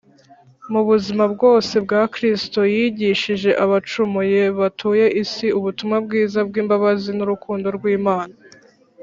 mu buzima bwose bwa kristo, yigishije abacumuye batuye isi ubutumwa bwiza bw’imbabazi n’urukundo rw’imana